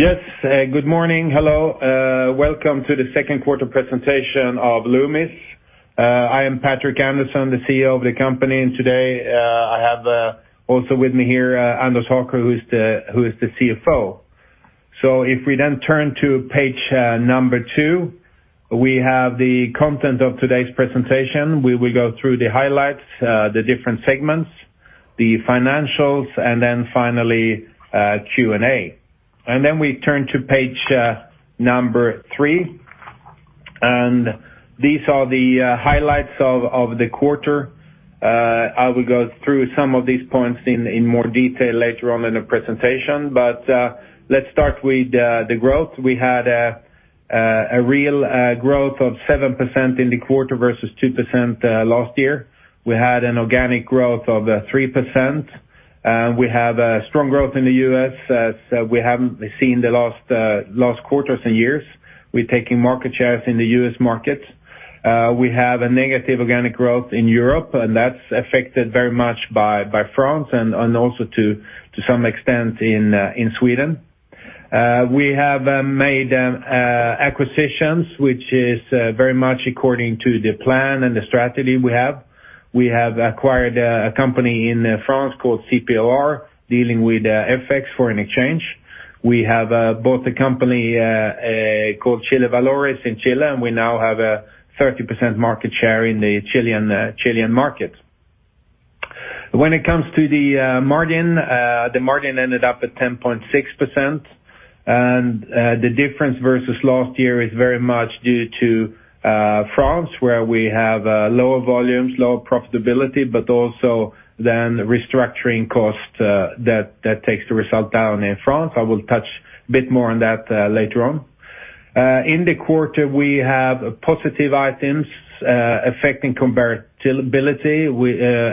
Yes. Good morning. Hello. Welcome to the second quarter presentation of Loomis. I am Patrik Andersson, the CEO of the company, and today I have also with me here, Anders Haker, who is the CFO. If we then turn to page number two, we have the content of today's presentation. We will go through the highlights, the different segments, the financials, finally Q&A. Then we turn to page number three, and these are the highlights of the quarter. I will go through some of these points in more detail later on in the presentation, but let's start with the growth. We had a real growth of 7% in the quarter versus 2% last year. We had an organic growth of 3%, and we have a strong growth in the U.S., as we haven't seen the last quarters and years. We're taking market shares in the U.S. market. We have a negative organic growth in Europe. That's affected very much by France and also to some extent in Sweden. We have made acquisitions, which is very much according to the plan and the strategy we have. We have acquired a company in France called CPoR Devises, dealing with FX foreign exchange. We have bought a company called Chile Valores in Chile, and we now have a 30% market share in the Chilean market. When it comes to the margin, the margin ended up at 10.6%. The difference versus last year is very much due to France, where we have lower volumes, lower profitability, also then restructuring costs that takes the result down in France. I will touch a bit more on that later on. In the quarter, we have positive items affecting comparability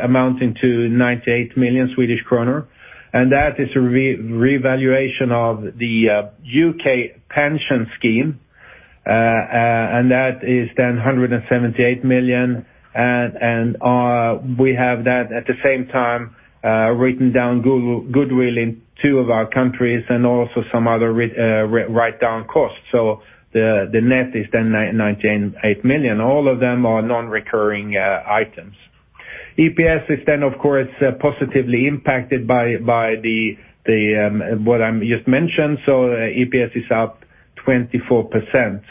amounting to 98 million Swedish kronor, and that is a revaluation of the U.K. pension scheme, and that is then 178 million. We have that at the same time, written down goodwill in two of our countries and also some other write-down costs. The net is then 98 million. All of them are non-recurring items. EPS is then, of course, positively impacted by what I just mentioned. EPS is up 24%,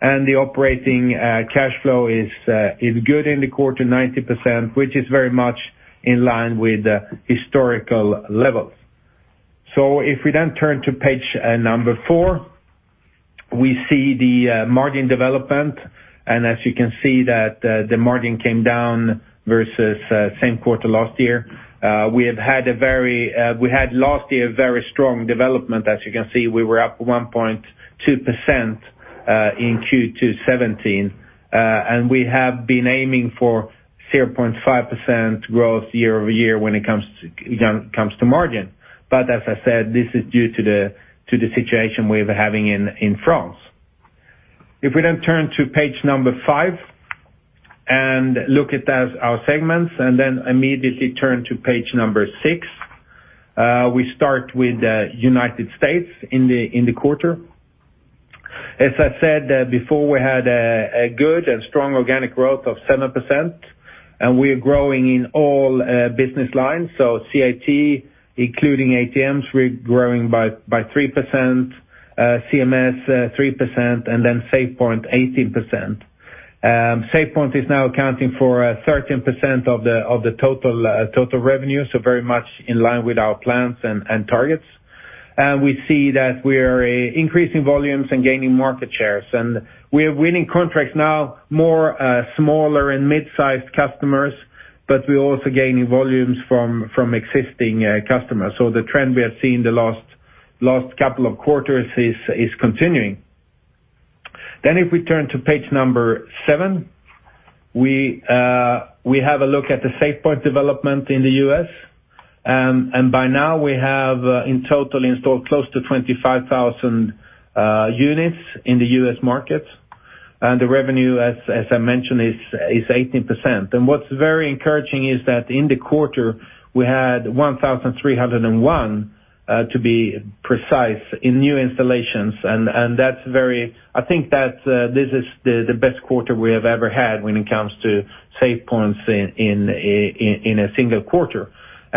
the operating cash flow is good in the quarter, 90%, which is very much in line with historical levels. If we then turn to page number four, we see the margin development. As you can see that the margin came down versus same quarter last year. We had last year a very strong development. As you can see, we were up 1.2% in Q2 2017. We have been aiming for 0.5% growth year-over-year when it comes to margin. As I said, this is due to the situation we're having in France. If we then turn to page number five and look at our segments, then immediately turn to page number six, we start with United States in the quarter. As I said before, we had a good and strong organic growth of 7%. We are growing in all business lines. CIT, including ATMs, we're growing by 3%, CMS 3%, then SafePoint 18%. SafePoint is now accounting for 13% of the total revenue, very much in line with our plans and targets. We see that we are increasing volumes and gaining market shares. We are winning contracts now more smaller and mid-sized customers, but we are also gaining volumes from existing customers. The trend we have seen the last couple of quarters is continuing. If we turn to page number seven, we have a look at the SafePoint development in the U.S. By now we have in total installed close to 25,000 units in the U.S. market. The revenue, as I mentioned, is 18%. What's very encouraging is that in the quarter, we had 1,301, to be precise, in new installations. I think that this is the best quarter we have ever had when it comes to SafePoints in a single quarter.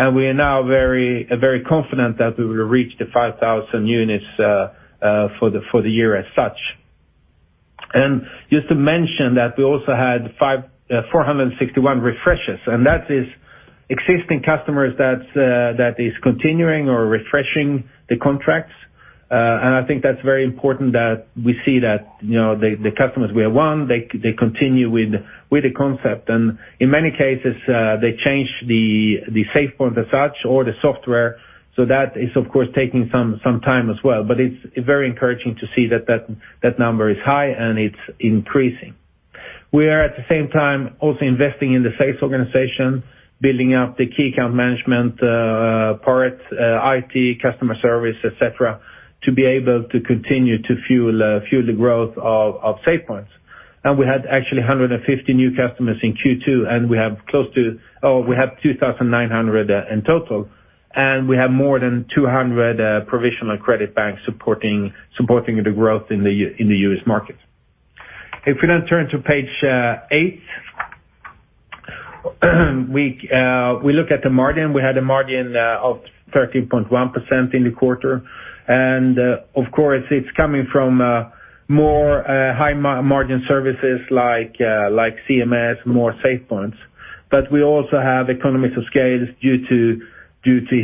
We are now very confident that we will reach the 5,000 units for the year as such. Just to mention that we also had 461 refreshes, and that is existing customers that is continuing or refreshing the contracts. I think that's very important that we see that the customers we have won, they continue with the concept. In many cases, they change the SafePoint as such or the software. That is, of course, taking some time as well, but it's very encouraging to see that that number is high and it's increasing. We are at the same time also investing in the sales organization, building up the key account management parts, IT, customer service, et cetera, to be able to continue to fuel the growth of SafePoints. We had actually 150 new customers in Q2, and we have 2,900 in total, and we have more than 200 provisional credit banks supporting the growth in the U.S. market. We now turn to page eight. We look at the margin. We had a margin of 13.1% in the quarter, of course, it's coming from more high-margin services like CMS, more SafePoints. We also have economies of scale due to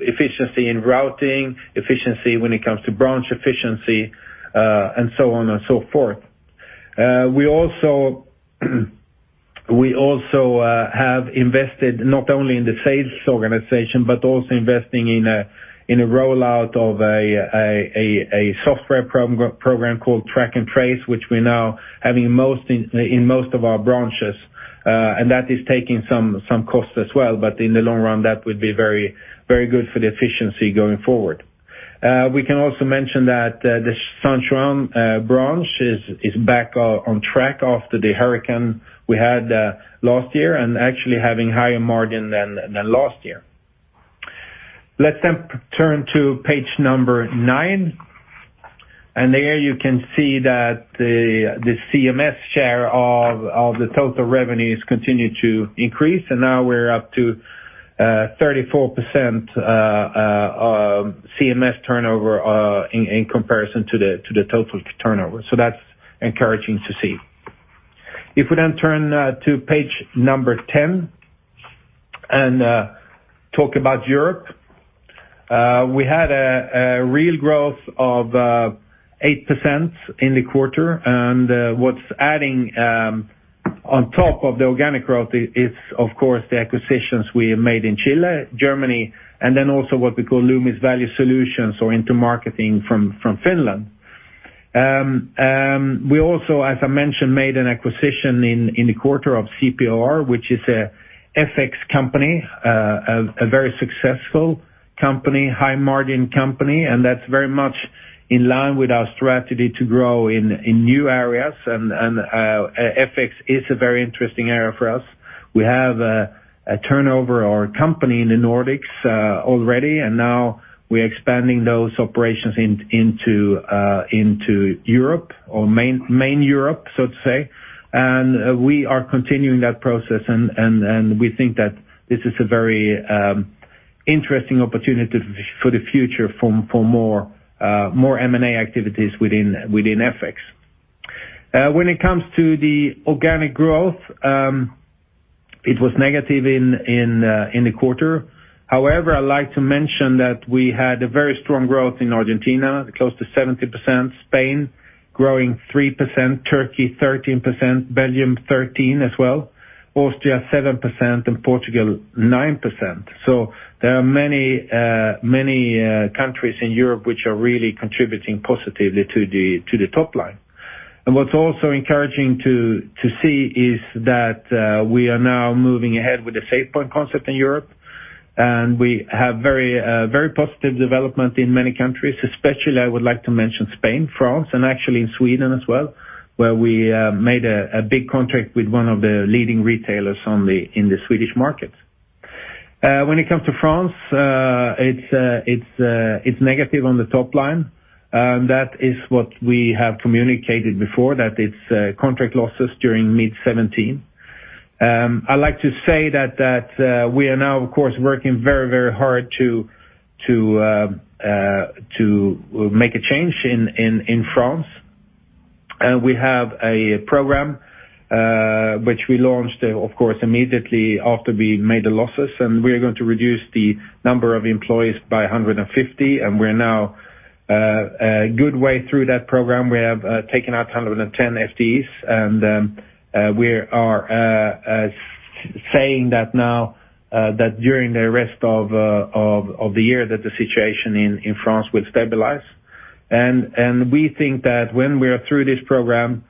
efficiency in routing, efficiency when it comes to branch efficiency, and so on and so forth. We also have invested not only in the sales organization, but also investing in a rollout of a software program called Track and Trace, which we're now having in most of our branches, that is taking some costs as well. In the long run, that would be very good for the efficiency going forward. We can also mention that the San Juan branch is back on track after the hurricane we had last year and actually having higher margin than last year. Let's turn to page number nine, there you can see that the CMS share of the total revenues continue to increase, now we're up to 34% CMS turnover in comparison to the total turnover. That's encouraging to see. We turn to page number 10 and talk about Europe. We had a real growth of 8% in the quarter, what's adding on top of the organic growth is, of course, the acquisitions we have made in Chile, Germany, also what we call Loomis Value Solutions or Intermarketing from Finland. We also, as I mentioned, made an acquisition in the quarter of CPoR, which is a FX company, a very successful company, high-margin company, that's very much in line with our strategy to grow in new areas, FX is a very interesting area for us. We have a turnover or a company in the Nordics already, now we're expanding those operations into Europe or main Europe, so to say. We are continuing that process, and we think that this is a very interesting opportunity for the future for more M&A activities within FX. When it comes to the organic growth, it was negative in the quarter. However, I'd like to mention that we had a very strong growth in Argentina, close to 70%, Spain growing 3%, Turkey 13%, Belgium 13% as well, Austria 7%, and Portugal 9%. There are many countries in Europe which are really contributing positively to the top line. What's also encouraging to see is that we are now moving ahead with the SafePoint concept in Europe, we have very positive development in many countries, especially I would like to mention Spain, France, and actually in Sweden as well, where we made a big contract with one of the leading retailers in the Swedish market. When it comes to France, it's negative on the top line. That is what we have communicated before, that it's contract losses during mid 2017. I'd like to say that we are now, of course, working very hard to make a change in France. We have a program which we launched, of course, immediately after we made the losses, we are going to reduce the number of employees by 150, and we're now a good way through that program. We have taken out 110 FTEs, we are saying that now that during the rest of the year that the situation in France will stabilize. We think that when we are through this program,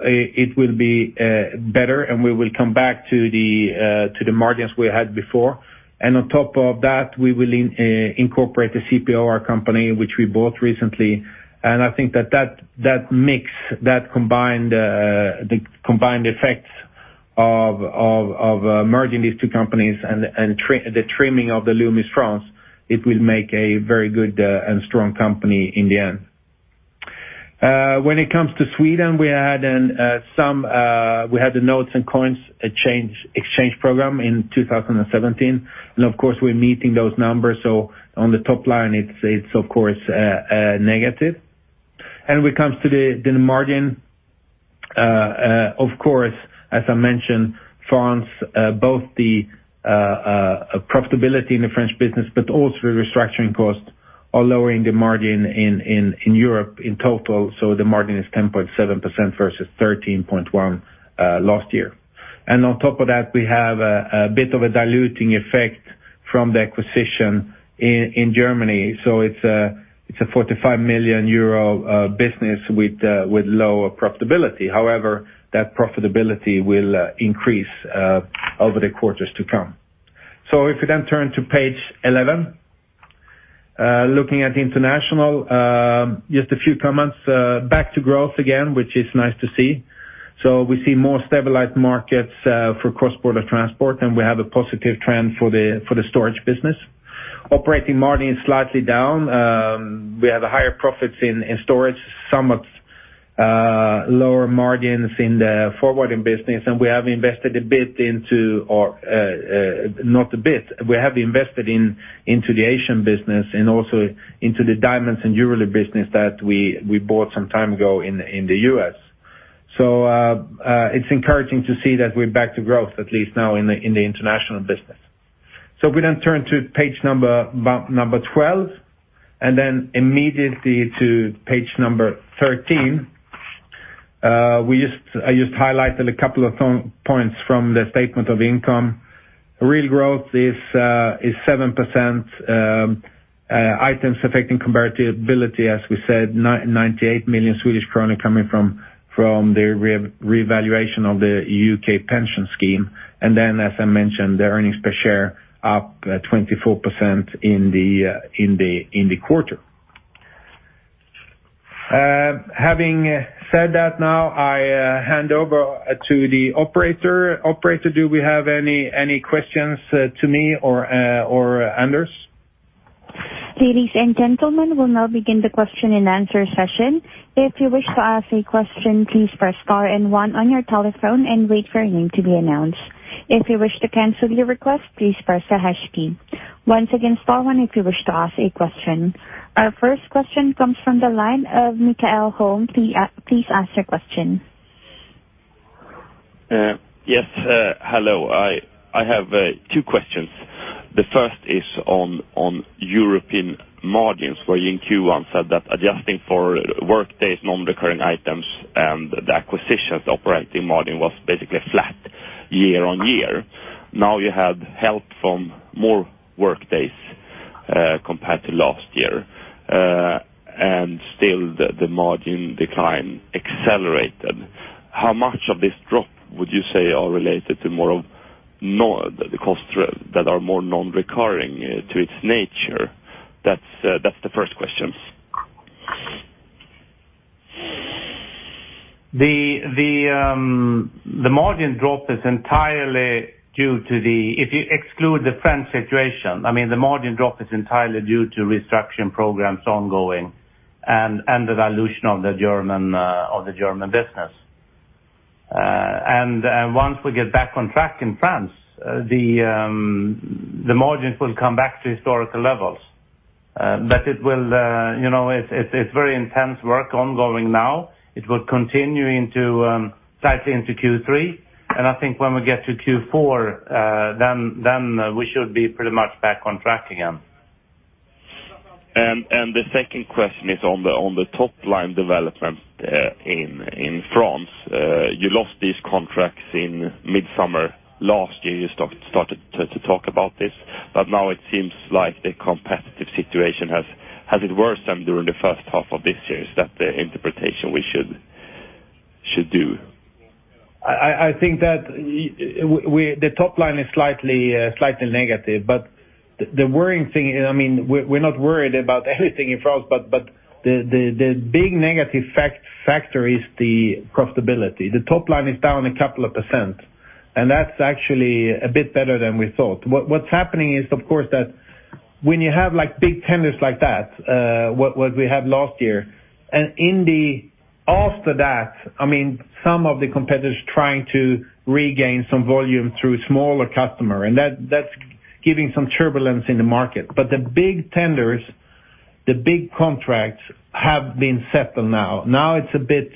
it will be better and we will come back to the margins we had before. On top of that, we will incorporate the CPoR company, which we bought recently. I think that that mix, the combined effects of merging these two companies and the trimming of the Loomis France, it will make a very good and strong company in the end. When it comes to Sweden, we had the notes and coins exchange program in 2017, of course, we're meeting those numbers. On the top line, it's of course negative. When it comes to the margin, of course, as I mentioned, France both the profitability in the French business but also the restructuring costs are lowering the margin in Europe in total. The margin is 10.7% versus 13.1% last year. On top of that, we have a bit of a diluting effect from the acquisition in Germany. It's a 45 million euro business with lower profitability. However, that profitability will increase over the quarters to come. If we then turn to page 11, looking at international, just a few comments. Back to growth again, which is nice to see. We see more stabilized markets for cross-border transport, and we have a positive trend for the storage business. Operating margin is slightly down. We have higher profits in storage, somewhat lower margins in the forwarding business, and we have invested in the Asian business and also into the diamonds and jewelry business that we bought some time ago in the U.S. It's encouraging to see that we're back to growth, at least now in the international business. We then turn to page 12, and then immediately to page 13. I just highlighted a couple of points from the statement of income. Real growth is 7%. Items affecting comparability, as we said, 98 million Swedish kronor coming from the revaluation of the U.K. pension scheme. Then, as I mentioned, the earnings per share up 24% in the quarter. Having said that, now I hand over to the operator. Operator, do we have any questions to me or Anders? Ladies and gentlemen, we'll now begin the question and answer session. If you wish to ask a question, please press star and one on your telephone and wait for your name to be announced. If you wish to cancel your request, please press the hash key. Once again, star one if you wish to ask a question. Our first question comes from the line of Mikael Holm. Please ask your question. Yes, hello. I have two questions. The first is on European margins, where you in Q1 said that adjusting for workdays, non-recurring items and the acquisitions operating margin was basically flat year-on-year. Now you had help from more workdays, compared to last year, and still the margin decline accelerated. How much of this drop would you say are related to the costs that are more non-recurring to its nature? That's the first question. The margin drop, if you exclude the France situation, I mean, the margin drop is entirely due to restructuring programs ongoing and the valuation of the German business. Once we get back on track in France, the margins will come back to historical levels. It's very intense work ongoing now. It will continue slightly into Q3, and I think when we get to Q4, then we should be pretty much back on track again. The second question is on the top-line development in France. You lost these contracts in mid-summer last year. You started to talk about this, but now it seems like the competitive situation has it worse than during the first half of this year. Is that the interpretation we should do? I think that the top line is slightly negative. The worrying thing, I mean, we're not worried about anything in France, but the big negative factor is the profitability. The top line is down a couple of percent, and that's actually a bit better than we thought. What's happening is, of course, that when you have big tenders like that, what we had last year, after that, I mean, some of the competitors trying to regain some volume through smaller customer, and that's giving some turbulence in the market. The big tenders, the big contracts have been settled now. Now it's a bit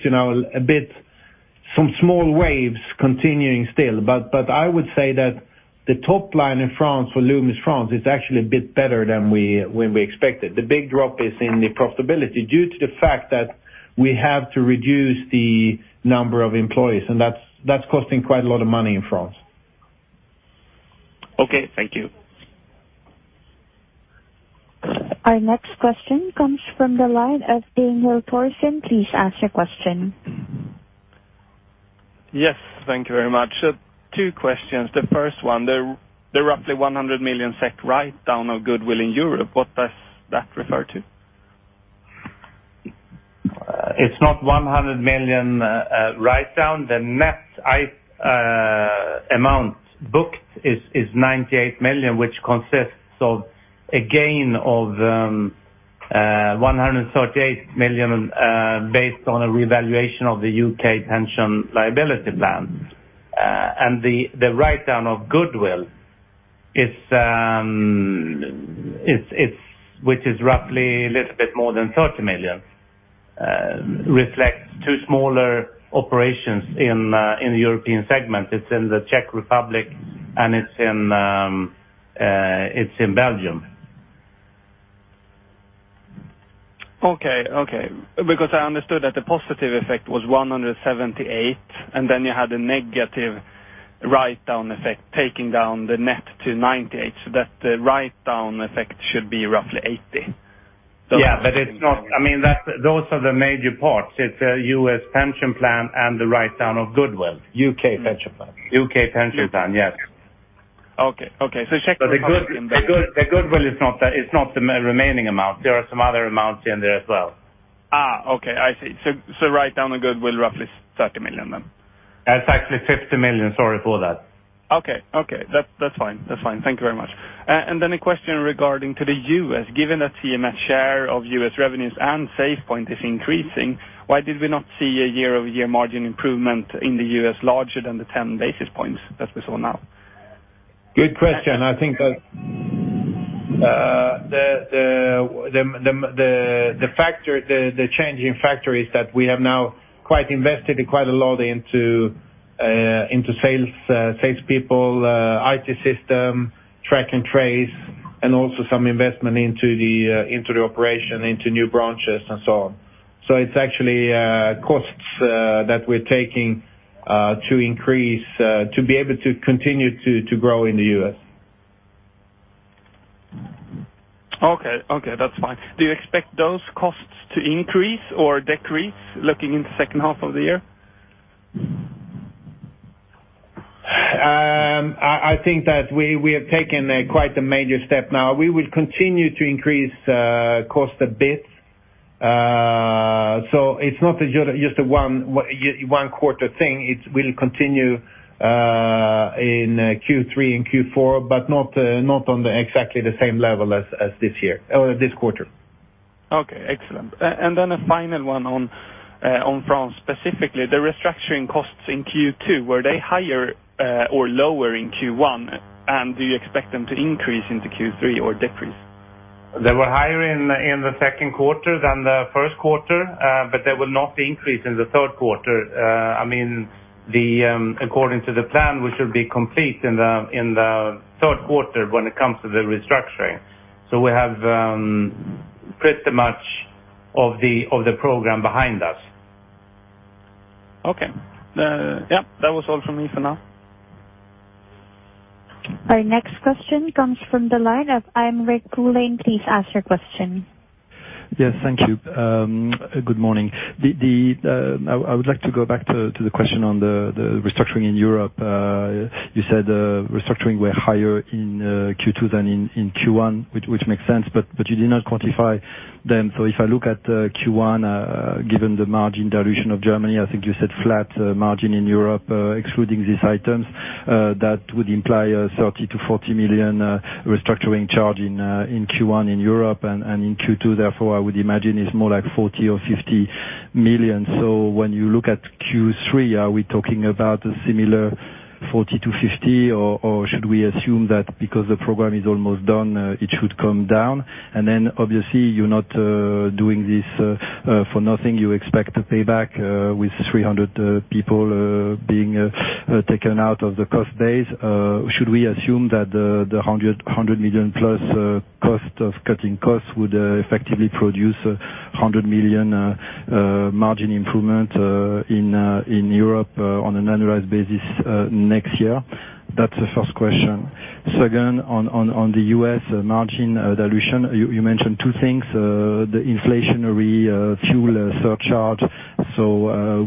some small waves continuing still, but I would say that the top line in France for Loomis France is actually a bit better than we expected. The big drop is in the profitability due to the fact that we have to reduce the number of employees, and that's costing quite a lot of money in France. Okay. Thank you. Our next question comes from the line of Daniel Thorsen. Please ask your question. Yes. Thank you very much. Two questions. The first one, the roughly 100 million write-down of goodwill in Europe. What does that refer to? It's not 100 million write-down. The net amount booked is 98 million, which consists of a gain of 178 million, based on a revaluation of the U.K. pension liability plan. The write-down of goodwill, which is roughly a little bit more than 30 million, reflects two smaller operations in the European segment. It's in the Czech Republic and it's in Belgium. Okay. I understood that the positive effect was 178, you had a negative write-down effect, taking down the net to 98, the write-down effect should be roughly 80. Yeah, those are the major parts. It's a U.S. pension plan and the write-down of goodwill. U.K. pension plan. Okay. The goodwill is not the remaining amount. There are some other amounts in there as well. Okay. I see. Write down the goodwill roughly 30 million then. It's actually 50 million. Sorry for that. Okay. That's fine. Thank you very much. A question regarding to the U.S., given that CMS share of U.S. revenues and SafePoint is increasing, why did we not see a year-over-year margin improvement in the U.S. larger than the 10 basis points that we saw now? Good question. I think the changing factor is that we have now invested quite a lot into sales people, IT system, Track and Trace, and also some investment into the operation, into new branches and so on. It's actually costs that we're taking to be able to continue to grow in the U.S. Okay. That's fine. Do you expect those costs to increase or decrease looking in the second half of the year? I think that we have taken quite a major step now. We will continue to increase cost a bit. It's not just a one quarter thing. It will continue in Q3 and Q4, but not on exactly the same level as this quarter. Okay, excellent. A final one on France specifically, the restructuring costs in Q2, were they higher or lower in Q1? Do you expect them to increase into Q3 or decrease? They were higher in the second quarter than the first quarter, but they will not increase in the third quarter. According to the plan, we should be complete in the third quarter when it comes to the restructuring. We have pretty much of the program behind us. Okay. That was all from me for now. Our next question comes from the line of Imrich Gulin. Please ask your question. Yes, thank you. Good morning. I would like to go back to the question on the restructuring in Europe. You said restructuring were higher in Q2 than in Q1, which makes sense, but you did not quantify them. If I look at Q1, given the margin dilution of Germany, I think you said flat margin in Europe, excluding these items, that would imply a 30 million-40 million restructuring charge in Q1 in Europe and in Q2, therefore, I would imagine it's more like 40 million or 50 million. When you look at Q3, are we talking about a similar 40 million to 50 million, or should we assume that because the program is almost done, it should come down? Obviously you're not doing this for nothing. You expect a payback, with 300 people being taken out of the cost base. Should we assume that the 100 million plus cost of cutting costs would effectively produce 100 million margin improvement in Europe on an annualized basis next year? That's the first question. Second, on the U.S. margin dilution, you mentioned two things, the inflationary fuel surcharge.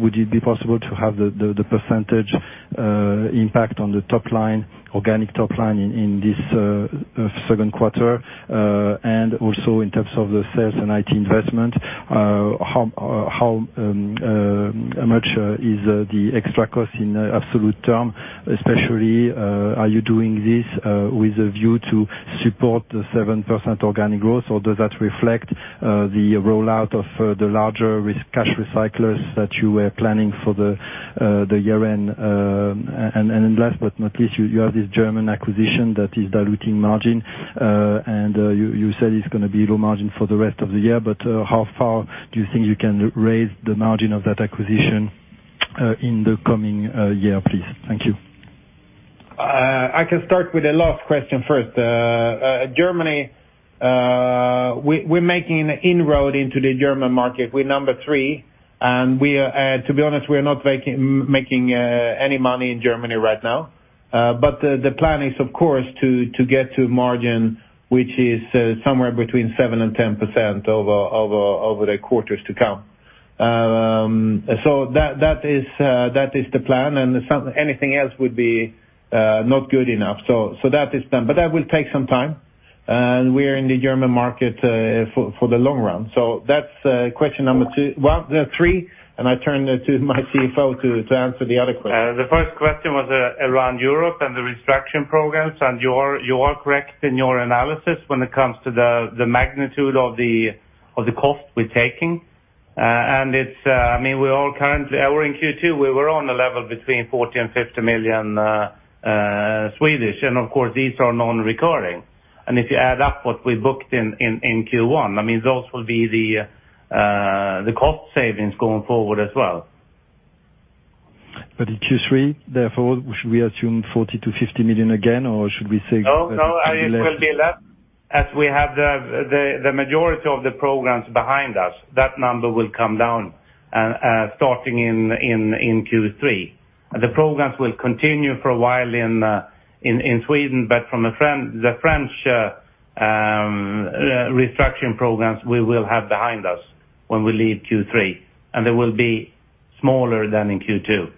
Would it be possible to have the percentage impact on the organic top line in this second quarter? Also in terms of the sales and IT investment, how much is the extra cost in absolute term? Especially, are you doing this with a view to support the 7% organic growth, or does that reflect the rollout of the larger cash recyclers that you were planning for the year end? Last but not least, you have this German acquisition that is diluting margin, and you said it's going to be low margin for the rest of the year, but how far do you think you can raise the margin of that acquisition in the coming year, please? Thank you. I can start with the last question first. Germany, we're making an inroad into the German market. We're number 3, and to be honest, we are not making any money in Germany right now. The plan is of course to get to margin, which is somewhere between 7% and 10% over the quarters to come. That is the plan, and anything else would be not good enough. That is done, that will take some time. We are in the German market for the long run. That's question number 3, and I turn to my CFO to answer the other questions. The first question was around Europe and the restructuring programs, you are correct in your analysis when it comes to the magnitude of the cost we're taking. In Q2, we were on a level between 40 million and 50 million, and of course, these are non-recurring. If you add up what we booked in Q1, those will be the cost savings going forward as well. In Q3, therefore, should we assume 40 million-50 million again? No, it will be less as we have the majority of the programs behind us, that number will come down. Starting in Q3. The programs will continue for a while in Sweden, but from the French restructuring programs we will have behind us when we leave Q3, and they will be smaller than in Q2.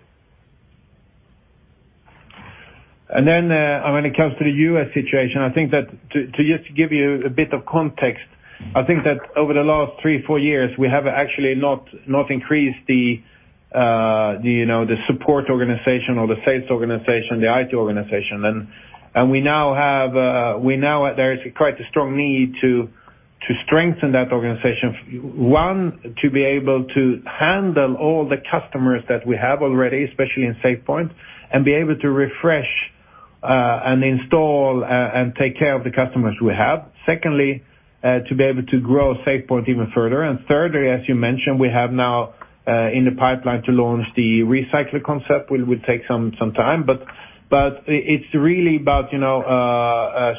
When it comes to the U.S. situation, to just give you a bit of context, I think that over the last three, four years, we have actually not increased the support organization or the sales organization, the IT organization. Now there is quite a strong need to strengthen that organization. One, to be able to handle all the customers that we have already, especially in SafePoint, and be able to refresh, and install, and take care of the customers we have. Secondly, to be able to grow SafePoint even further. Thirdly, as you mentioned, we have now in the pipeline to launch the recycling concept, will take some time, but it's really about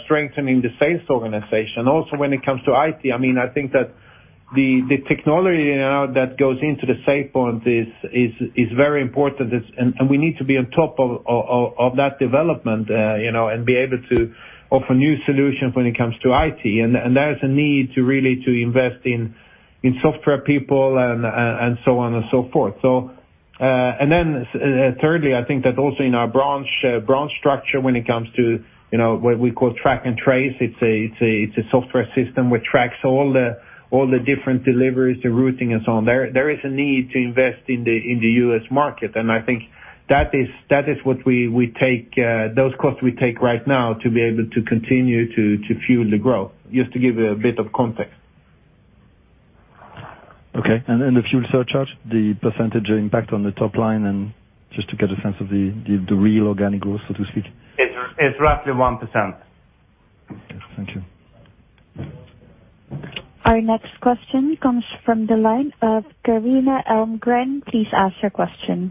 strengthening the sales organization. Also when it comes to IT, I think that the technology now that goes into the SafePoint is very important, and we need to be on top of that development, and be able to offer new solutions when it comes to IT. There is a need to really invest in software people and so on and so forth. Thirdly, I think that also in our branch structure when it comes to what we call Track and Trace, it's a software system which tracks all the different deliveries, the routing and so on. There is a need to invest in the U.S. market, and I think those costs we take right now to be able to continue to fuel the growth, just to give you a bit of context. Okay. The fuel surcharge, the percentage impact on the top line and just to get a sense of the real organic growth, so to speak. It's roughly 1%. Okay. Thank you. Our next question comes from the line of Carina Elmgren. Please ask your question.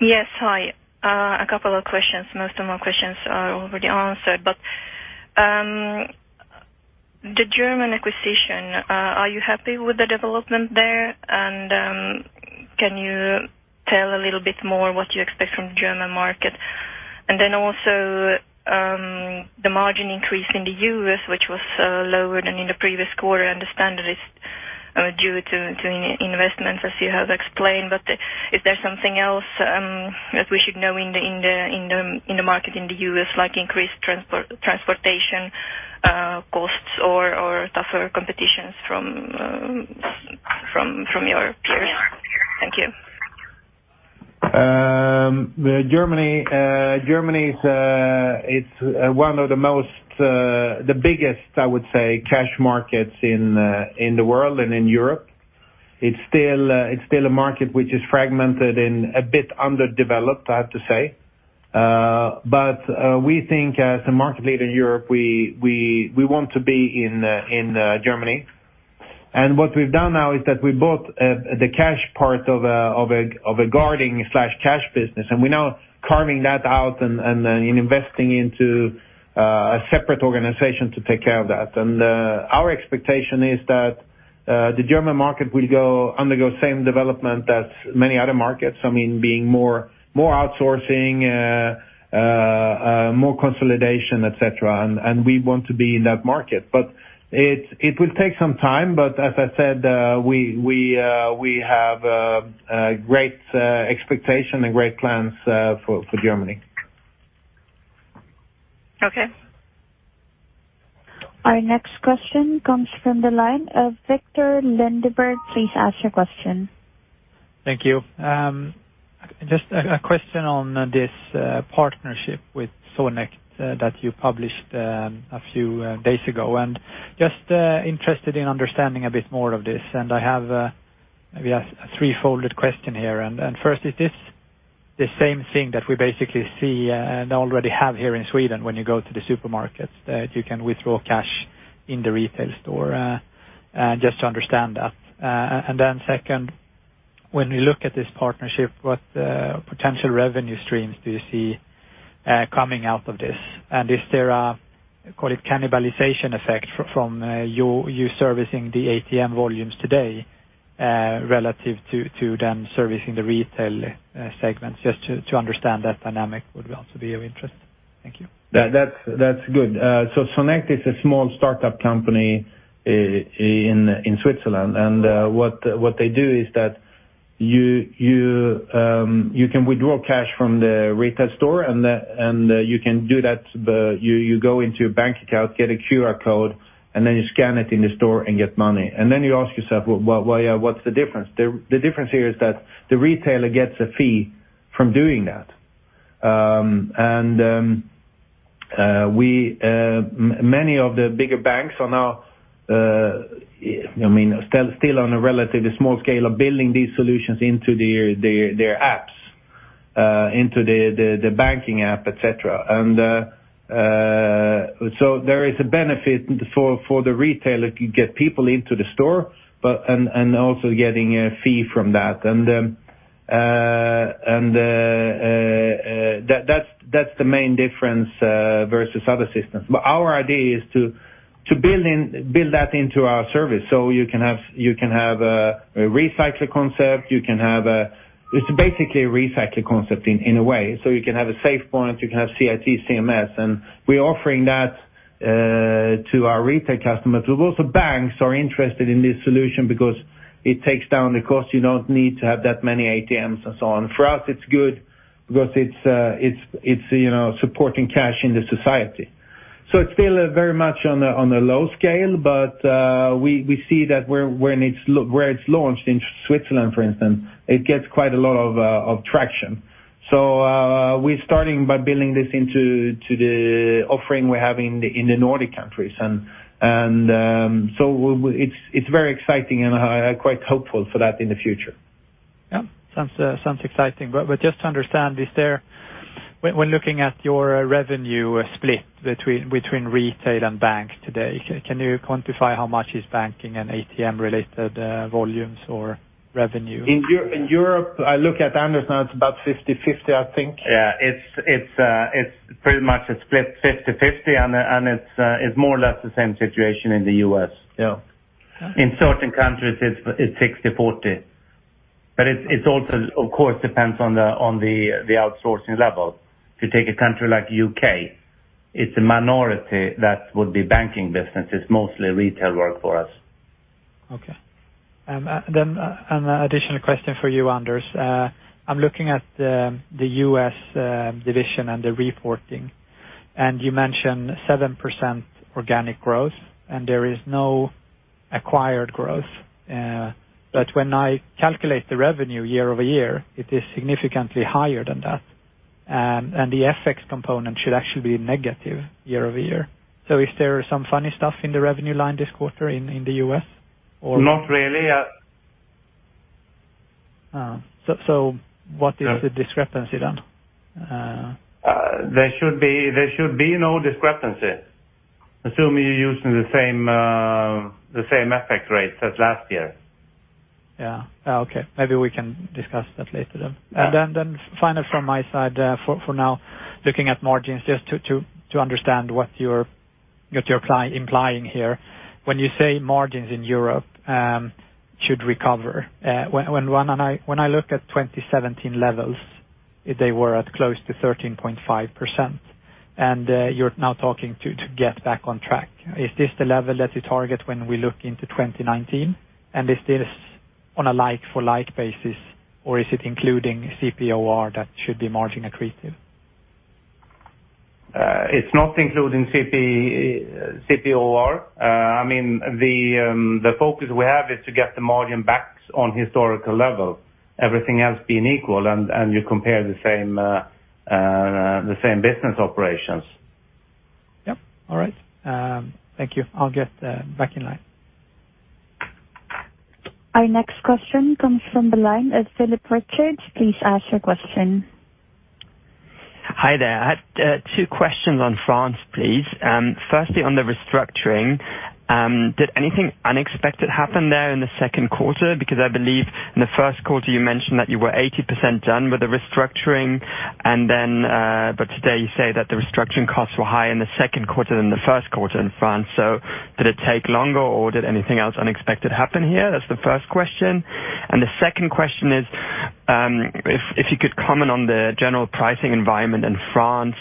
Yes, hi. A couple of questions. Most of my questions are already answered. The German acquisition, are you happy with the development there? Can you tell a little bit more what you expect from the German market? The margin increase in the U.S., which was lower than in the previous quarter, I understand it is due to investments as you have explained, but is there something else that we should know in the market in the U.S., like increased transportation costs or tougher competitions from your peers? Thank you. Germany is one of the biggest, I would say, cash markets in the world and in Europe. It's still a market which is fragmented and a bit underdeveloped, I have to say. We think as a market leader in Europe, we want to be in Germany. What we've done now is that we bought the cash part of a guarding/cash business, and we're now carving that out and investing into a separate organization to take care of that. Our expectation is that the German market will undergo same development as many other markets. I mean, being more outsourcing, more consolidation, et cetera, and we want to be in that market. It will take some time, as I said, we have a great expectation and great plans for Germany. Okay. Our next question comes from the line of Viktor Lindeberg. Please ask your question. Thank you. Just a question on this partnership with Sonect that you published a few days ago. Just interested in understanding a bit more of this. I have a three-fold question here. First, is this the same thing that we basically see and already have here in Sweden when you go to the supermarkets, that you can withdraw cash in the retail store? Just to understand that. Second, when we look at this partnership, what potential revenue streams do you see coming out of this? Is there a, call it cannibalization effect from you servicing the ATM volumes today, relative to them servicing the retail segments? Just to understand that dynamic would also be of interest. Thank you. That's good. Sonect is a small startup company in Switzerland, and what they do is that you can withdraw cash from the retail store, and you can do that, you go into your bank account, get a QR code, and then you scan it in the store and get money. You ask yourself, "Well, what's the difference?" The difference here is that the retailer gets a fee from doing that. Many of the bigger banks are now, still on a relatively small scale of building these solutions into their apps, into the banking app, et cetera. There is a benefit for the retailer to get people into the store and also getting a fee from that. That's the main difference versus other systems. Our idea is to build that into our service. You can have a recycler concept, it's basically a recycler concept in a way. You can have a SafePoint, you can have CIT CMS, we're offering that to our retail customers, but also banks are interested in this solution because it takes down the cost. You don't need to have that many ATMs and so on. For us, it's good because it's supporting cash in the society. It's still very much on the low scale, but we see that where it's launched, in Switzerland, for instance, it gets quite a lot of traction. We're starting by building this into the offering we have in the Nordic countries, it's very exciting, and I'm quite hopeful for that in the future. Yeah. Sounds exciting. Just to understand, when looking at your revenue split between retail and bank today, can you quantify how much is banking and ATM-related volumes or revenue? In Europe, I look at Anders now, it's about 50/50, I think. Yeah. It's pretty much a split 50/50, it's more or less the same situation in the U.S. Yeah. In certain countries, it is 60/40. It also, of course, depends on the outsourcing level. If you take a country like U.K., it is a minority that would be banking business. It is mostly retail work for us. Okay. An additional question for you, Anders. I am looking at the U.S. division and the reporting, and you mentioned 7% organic growth, and there is no acquired growth. When I calculate the revenue year-over-year, it is significantly higher than that. The FX component should actually be negative year-over-year. Is there some funny stuff in the revenue line this quarter in the U.S. or? Not really. What is the discrepancy then? There should be no discrepancy. Assume you're using the same FX rate as last year. Okay. Maybe we can discuss that later then. Final from my side for now, looking at margins, just to understand what you're implying here. When you say margins in Europe should recover, when I look at 2017 levels, they were at close to 13.5%, and you're now talking to get back on track. Is this the level that you target when we look into 2019, and is this on a like-for-like basis, or is it including CPoR that should be margin accretive? It's not including CPoR. The focus we have is to get the margin back on historical levels, everything else being equal, you compare the same business operations. All right. Thank you. I'll get back in line. Our next question comes from the line of Philip Richards. Please ask your question. Hi there. I had two questions on France, please. On the restructuring, did anything unexpected happen there in the second quarter? I believe in the first quarter, you mentioned that you were 80% done with the restructuring. Today you say that the restructuring costs were higher in the second quarter than the first quarter in France. Did it take longer, or did anything else unexpected happen here? That's the first question. The second question is, if you could comment on the general pricing environment in France,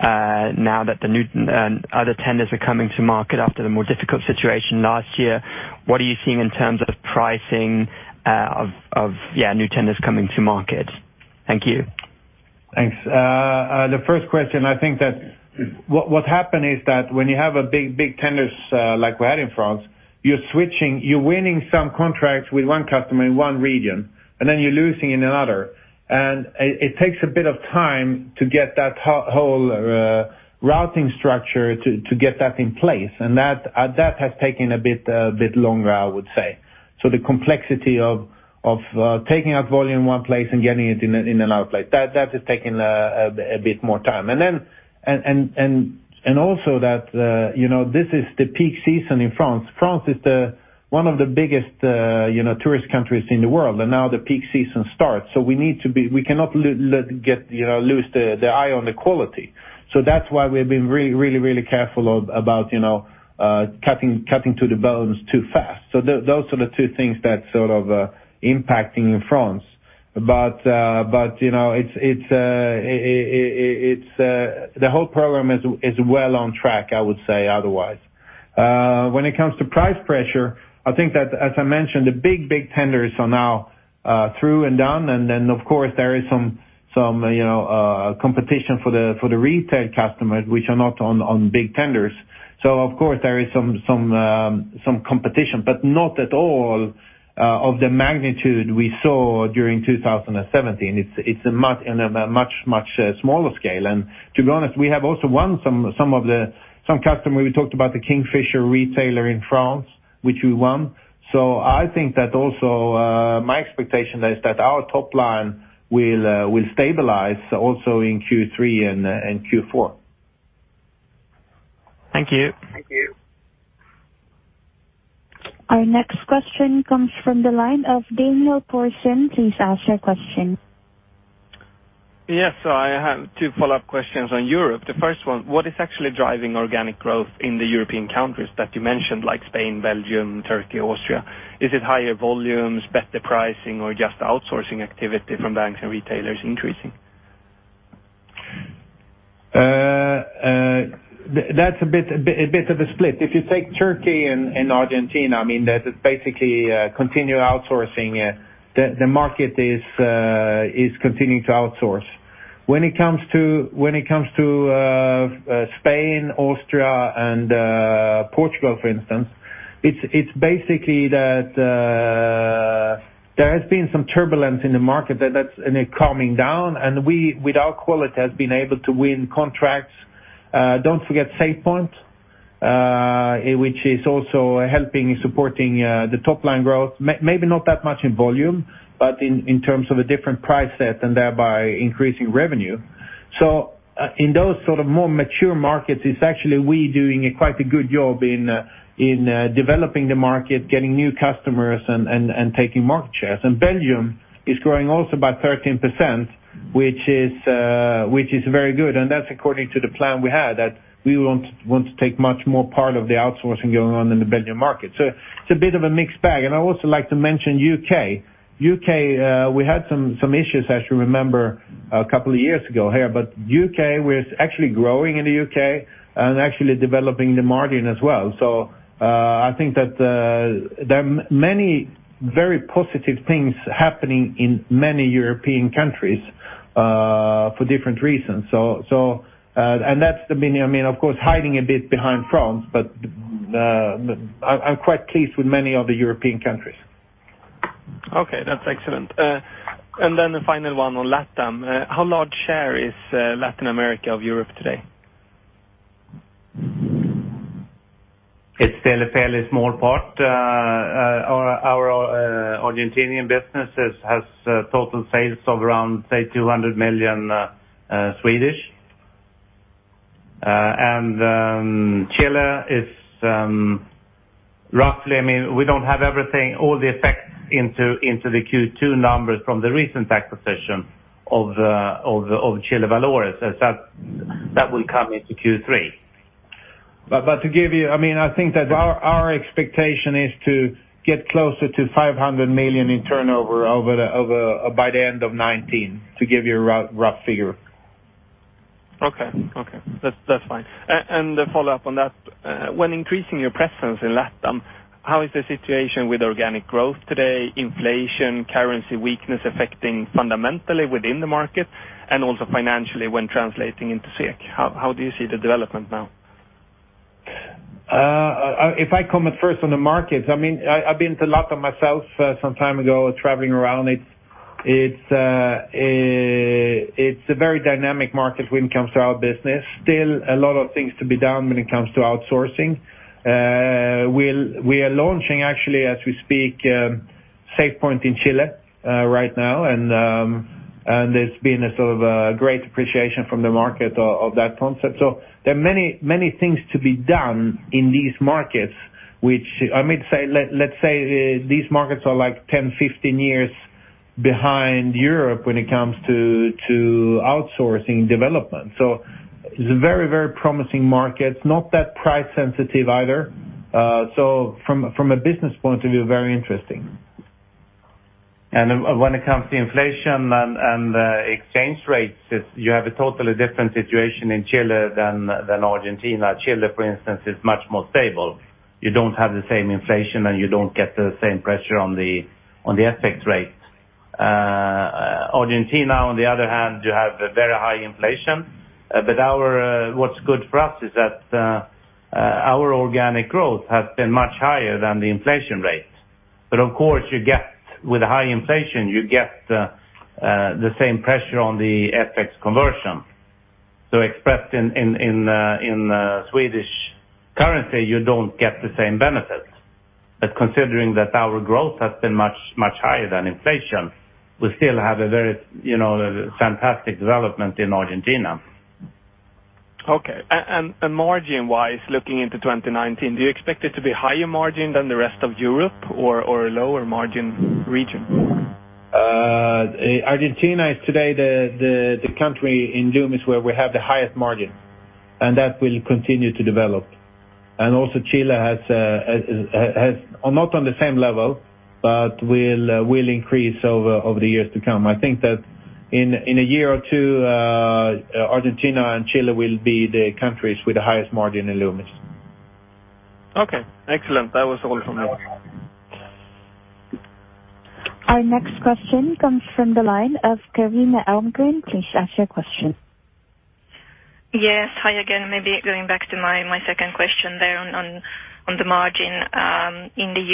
now that the other tenders are coming to market after the more difficult situation last year, what are you seeing in terms of pricing of new tenders coming to market? Thank you. Thanks. The first question, I think that what happened is that when you have big tenders, like we had in France, you're winning some contracts with one customer in one region, and then you're losing in another. It takes a bit of time to get that whole routing structure, to get that in place, and that has taken a bit longer, I would say. The complexity of taking out volume in one place and getting it in another place, that has taken a bit more time. Also that this is the peak season in France. France is one of the biggest tourist countries in the world, and now the peak season starts. We cannot lose the eye on the quality. That's why we've been really careful about cutting to the bones too fast. Those are the two things that sort of impacting in France. The whole program is well on track, I would say otherwise. When it comes to price pressure, I think that, as I mentioned, the big tenders are now through and done, then of course, there is some competition for the retail customers, which are not on big tenders. Of course, there is some competition, but not at all of the magnitude we saw during 2017. It's in a much smaller scale. To be honest, we have also won some customer, we talked about the Kingfisher retailer in France, which we won. I think that also my expectation is that our top line will stabilize also in Q3 and Q4. Thank you. Our next question comes from the line of Daniel Thorsen. Please ask your question. Yes. I have two follow-up questions on Europe. The first one, what is actually driving organic growth in the European countries that you mentioned, like Spain, Belgium, Turkey, Austria? Is it higher volumes, better pricing, or just outsourcing activity from banks and retailers increasing? That's a bit of a split. If you take Turkey and Argentina, that is basically continued outsourcing. The market is continuing to outsource. When it comes to Spain, Austria, and Portugal, for instance, it's basically that there has been some turbulence in the market that's in a calming down, and with our quality, has been able to win contracts. Don't forget SafePoint, which is also helping supporting the top-line growth. Maybe not that much in volume, but in terms of a different price set and thereby increasing revenue. In those sort of more mature markets, it's actually we doing quite a good job in developing the market, getting new customers, and taking market shares. Belgium is growing also by 13%, which is very good, and that's according to the plan we had, that we want to take much more part of the outsourcing going on in the Belgian market. It's a bit of a mixed bag. I also like to mention U.K. U.K., we had some issues, as you remember, a couple of years ago here. U.K., we're actually growing in the U.K. and actually developing the margin as well. I think that there are many very positive things happening in many European countries for different reasons. Of course, hiding a bit behind France, but I'm quite pleased with many of the European countries. Okay, that's excellent. The final one on LATAM. How large share is Latin America of Europe today? It's still a fairly small part. Our Argentinian businesses has total sales of around, say 200 million. Chile is roughly, we don't have everything, all the effects into the Q2 numbers from the recent acquisition of Chile Valores, as that will come into Q3. I think that our expectation is to get closer to 500 million in turnover by the end of 2019, to give you a rough figure. Okay. That's fine. A follow-up on that. When increasing your presence in LATAM, how is the situation with organic growth today, inflation, currency weakness affecting fundamentally within the market and also financially when translating into SEK? How do you see the development now? If I comment first on the markets, I've been to LATAM myself some time ago, traveling around. It's a very dynamic market when it comes to our business. Still a lot of things to be done when it comes to outsourcing. We are launching, actually, as we speak, SafePoint in Chile right now, and there's been a sort of a great appreciation from the market of that concept. There are many things to be done in these markets, which, let's say, these markets are 10, 15 years behind Europe when it comes to outsourcing development. It's a very promising market. It's not that price sensitive either. From a business point of view, very interesting. When it comes to inflation and exchange rates, you have a totally different situation in Chile than Argentina. Chile, for instance, is much more stable. You don't have the same inflation, and you don't get the same pressure on the FX rate. Argentina, on the other hand, you have a very high inflation. What's good for us is that our organic growth has been much higher than the inflation rate. Of course, with high inflation, you get the same pressure on the FX conversion. Expressed in Swedish currency, you don't get the same benefits. Considering that our growth has been much higher than inflation, we still have a very fantastic development in Argentina. Okay. Margin-wise, looking into 2019, do you expect it to be higher margin than the rest of Europe or a lower margin region? Argentina is today the country in Loomis where we have the highest margin, and that will continue to develop. Also Chile, not on the same level, but will increase over the years to come. I think that in a year or two, Argentina and Chile will be the countries with the highest margin in Loomis. Okay, excellent. That was all from me. Our next question comes from the line of Carina Elmgren. Please ask your question. Yes. Hi again. Maybe going back to my second question there on the margin in the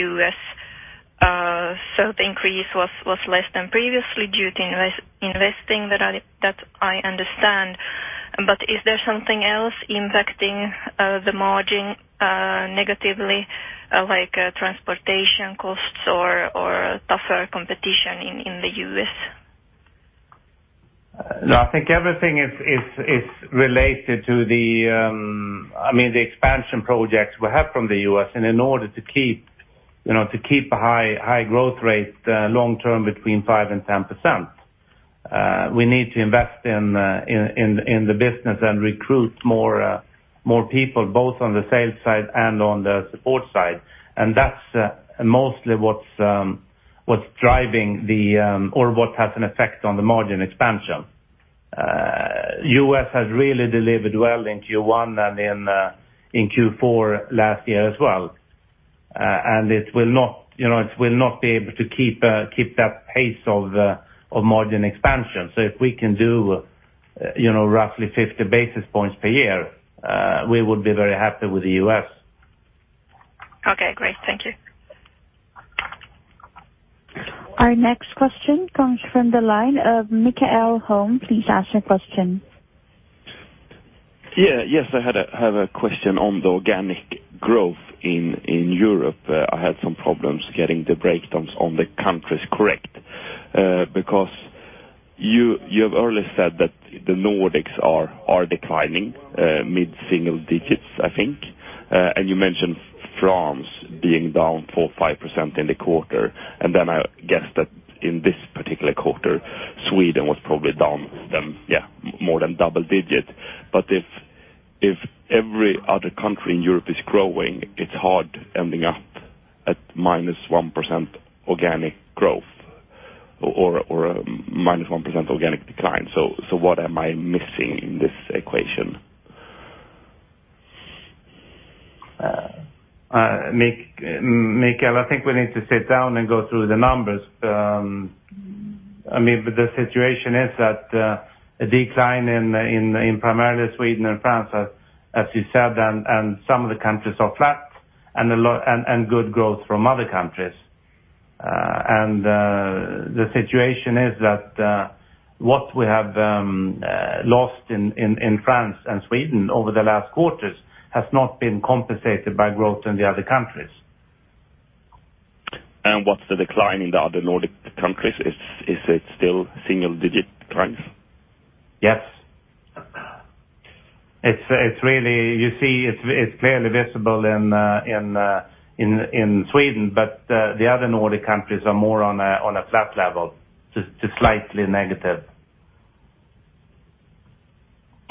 U.S. The increase was less than previously due to investing, that I understand. Is there something else impacting the margin negatively, like transportation costs or tougher competition in the U.S.? I think everything is related to the expansion projects we have from the U.S. In order to keep a high growth rate long term between 5% and 10%, we need to invest in the business and recruit more people, both on the sales side and on the support side. That's mostly what's driving or what has an effect on the margin expansion. U.S. has really delivered well in Q1 and in Q4 last year as well. It will not be able to keep that pace of margin expansion. If we can do roughly 50 basis points per year, we would be very happy with the U.S. Okay, great. Thank you. Our next question comes from the line of Mikael Holm. Please ask your question. Yeah. Yes, I have a question on the organic growth in Europe. I had some problems getting the breakdowns on the countries correct, because you have earlier said that the Nordics are declining mid-single digits, I think. You mentioned France being down 4%-5% in the quarter, then I guess that in this particular quarter, Sweden was probably down then, yeah, more than double digit. If every other country in Europe is growing, it's hard ending up at -1% organic growth or a -1% organic decline. What am I missing in this equation? Mikael, I think we need to sit down and go through the numbers. The situation is that a decline in primarily Sweden and France, as you said, and some of the countries are flat, and good growth from other countries. The situation is that what we have lost in France and Sweden over the last quarters has not been compensated by growth in the other countries. What's the decline in the other Nordic countries? Is it still single-digit declines? Yes. You see, it's clearly visible in Sweden, but the other Nordic countries are more on a flat level, just slightly negative.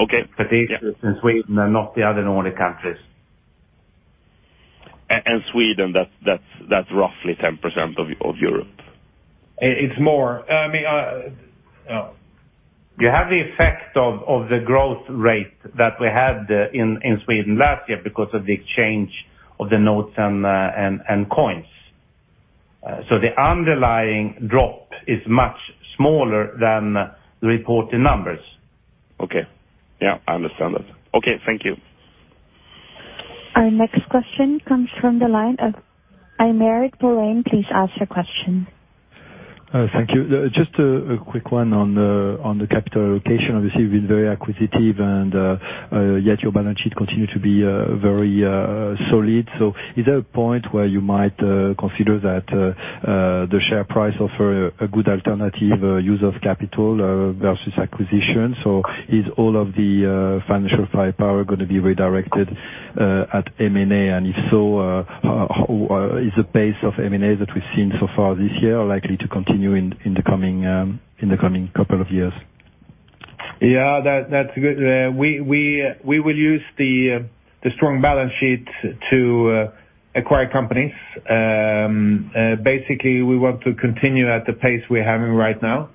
Okay. Yeah. In Sweden and not the other Nordic countries. Sweden, that's roughly 10% of Europe. It's more. You have the effect of the growth rate that we had in Sweden last year because of the exchange of the notes and coins. The underlying drop is much smaller than the reported numbers. Okay. Yeah, I understand that. Okay. Thank you. Our next question comes from the line of Aymeric Dore. Please ask your question. Thank you. Just a quick one on the capital allocation. Obviously, you've been very acquisitive, and yet your balance sheet continue to be very solid. Is there a point where you might consider that the share price offer a good alternative use of capital versus acquisition? Is all of the financial firepower going to be redirected at M&A? If so, is the pace of M&A that we've seen so far this year likely to continue in the coming couple of years? Yeah, that's good. We will use the strong balance sheet to acquire companies. Basically, we want to continue at the pace we're having right now.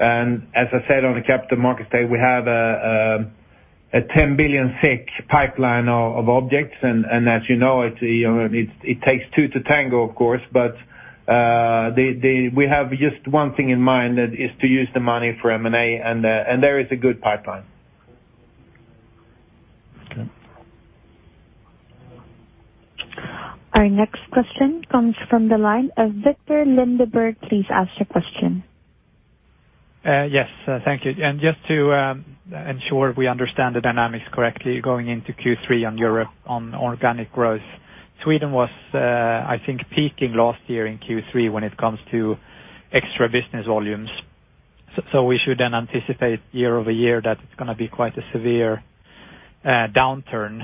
As I said, on the capital markets day, we have a 10 billion pipeline of objects, and as you know, it takes two to tango, of course, but we have just one thing in mind, that is to use the money for M&A, and there is a good pipeline. Okay. Our next question comes from the line of Viktor Lindeberg. Please ask your question. Yes. Thank you. Just to ensure we understand the dynamics correctly going into Q3 on Europe on organic growth. Sweden was, I think, peaking last year in Q3 when it comes to extra business volumes. We should then anticipate year-over-year that it's going to be quite a severe downturn.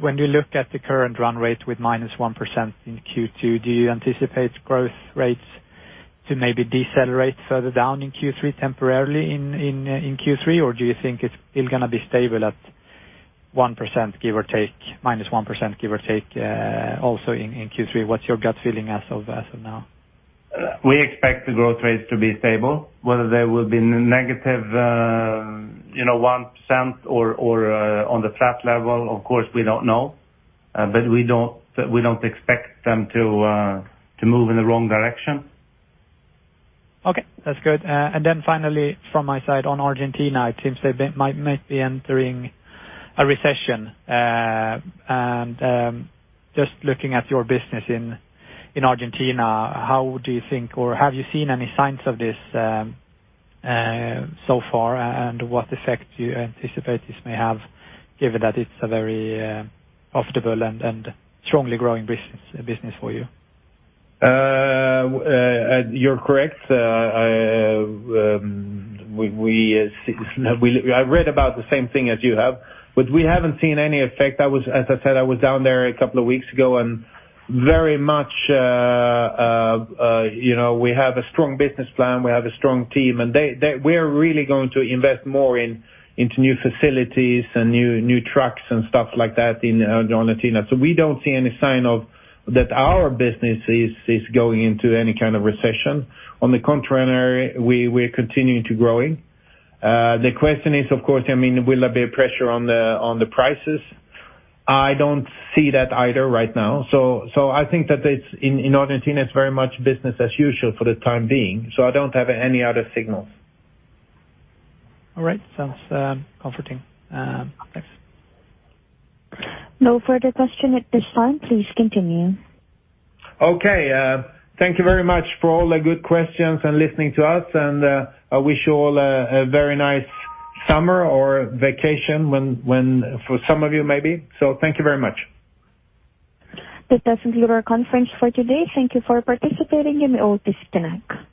When you look at the current run rate with -1% in Q2, do you anticipate growth rates to maybe decelerate further down in Q3 temporarily in Q3, or do you think it's still going to be stable at 1%, give or take, -1%, give or take, also in Q3? What's your gut feeling as of now? We expect the growth rates to be stable, whether they will be negative 1% or on the flat level, of course, we don't know. We don't expect them to move in the wrong direction. Okay, that's good. Finally from my side on Argentina, it seems they might be entering a recession. Just looking at your business in Argentina, how do you think, or have you seen any signs of this so far, and what effect do you anticipate this may have given that it's a very profitable and strongly growing business for you? You're correct. I read about the same thing as you have, we haven't seen any effect. As I said, I was down there a couple of weeks ago, very much we have a strong business plan, we have a strong team, we are really going to invest more into new facilities and new trucks and stuff like that in Argentina. We don't see any sign of that our business is going into any kind of recession. On the contrary, we are continuing to growing. The question is, of course, will there be a pressure on the prices? I don't see that either right now. I think that in Argentina, it's very much business as usual for the time being, I don't have any other signals. All right. Sounds comforting. Thanks. No further question at this time. Please continue. Okay. Thank you very much for all the good questions and listening to us. I wish you all a very nice summer or vacation for some of you maybe. Thank you very much. That does conclude our conference for today. Thank you for participating, and you may all disconnect.